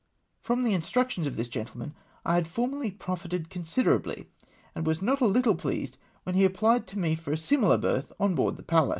From the instructions of this gentleman, I liad formerly profited considerably, and was not a httle pleased when he applied to me for a sunilar berth on board the Pallas.